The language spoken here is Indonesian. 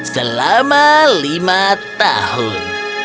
selama lima tahun